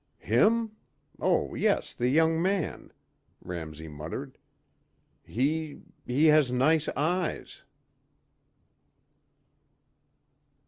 "Him? Oh yes, the young man," Ramsey muttered. "He ... he has nice eyes."